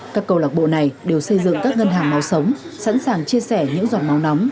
các cầu lạc bộ này đều xây dựng các ngân hàng máu sống sẵn sàng chia sẻ những giọt máu nóng